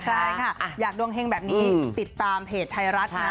ใช่ค่ะอยากดวงเฮงแบบนี้ติดตามเพจไทยรัฐนะ